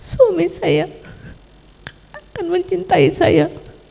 suami saya akan mencintai saya